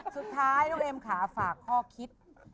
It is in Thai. สุดท้ายน้องเอ็มค่ะฝากข้อคิด